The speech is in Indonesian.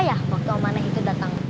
oh ya waktu om aneh itu datang